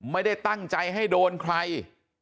ไม่ได้ตั้งใจให้โดนใคร